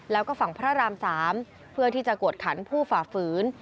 แล้วก็ฝั่งพระราม๓เพื่อที่จะกวดขันผู้ฝ่าฝืน